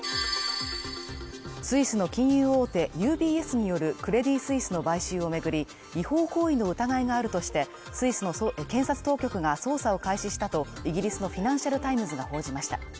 スイスの金融大手ＵＢＳによるクレディ・スイスの買収を巡り、違法行為の疑いがあるとして、スイスの検察当局が捜査を開始したとイギリスの「フィナンシャル・タイムズ」が報じました。